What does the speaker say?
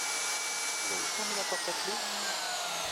Vous avez fermé la porte à clef ?